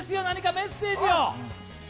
何かメッセージを。